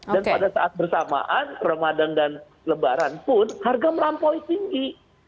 dan pada saat bersamaan ramadhan dan lebaran pun harga merampoknya tinggi